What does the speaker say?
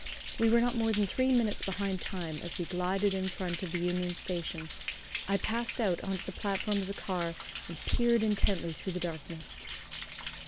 We were not more than three minutes behind time, as we glided in front of the Union Station, I passed out on to the platform of the car, and peered intently through the darkness.